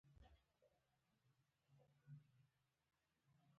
الماري د شیشو سره نورهم ښکاري